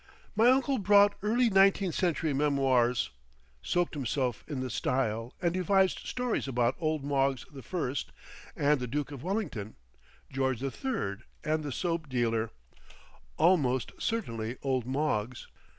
My uncle brought early nineteenth century memoirs, soaked himself in the style, and devised stories about old Moggs the First and the Duke of Wellington, George the Third and the soap dealer ("almost certainly old Moggs").